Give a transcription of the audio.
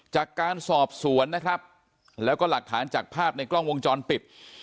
จากการสอบสวนนะครับแล้วก็หลักฐานจากภาพในกล้องวงจรปิด